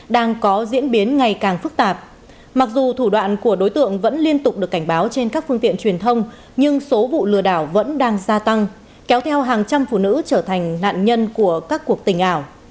đang có diễn biến ngày càng phức tạp mặc dù thủ đoạn của đối tượng vẫn liên tục được cảnh báo trên các phương tiện truyền thông nhưng số vụ lừa đảo vẫn đang gia tăng kéo theo hàng trăm phụ nữ trở thành nạn nhân của các cuộc tình ảo